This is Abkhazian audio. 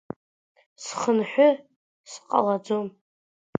Схынҳәыр сҟалаӡом.